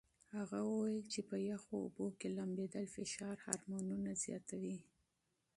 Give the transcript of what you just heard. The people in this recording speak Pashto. هغه وویل چې په یخو اوبو کې لامبېدل فشار هورمونونه زیاتوي.